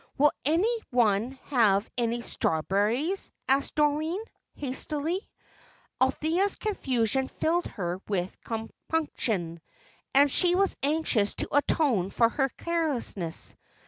"Will any one have any strawberries?" asked Doreen, hastily. Althea's confusion filled her with compunction, and she was anxious to atone for her carelessness.